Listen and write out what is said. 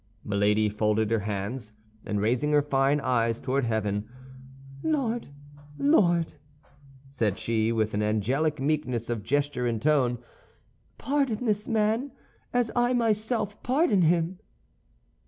Milady folded her hands, and raising her fine eyes toward heaven, "Lord, Lord," said she, with an angelic meekness of gesture and tone, "pardon this man, as I myself pardon him."